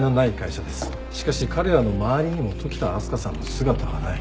しかし彼らの周りにも時田明日香さんの姿はない。